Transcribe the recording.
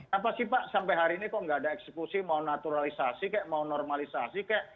apa sih pak sampai hari ini kok nggak ada eksekusi mau naturalisasi kek mau normalisasi kek